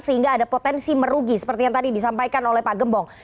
sehingga ada potensi merugi seperti yang tadi disampaikan oleh pak gembong